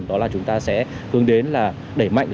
đó là chúng ta sẽ hướng đến là đẩy mạnh